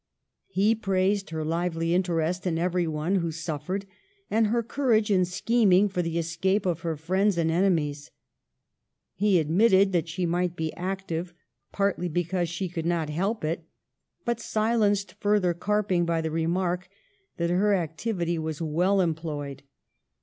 He praised her lively interest in everyone who suffered, and her courage in scheming for the escape of her friends and enemies. He admitted that she might be active partly because she could not help it ; but silenced further carping by the remark that her activity was well employed.